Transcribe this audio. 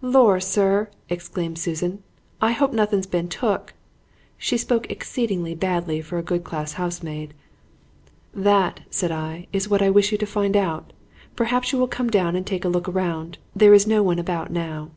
"'Lor', sir!' exclaimed Susan, 'I hope nothing's been took.' (She spoke exceedingly badly for a good class housemaid.) "'That,' said I, 'is what I wish you to find out. Perhaps you will come down and take a look round. There is no one about now.'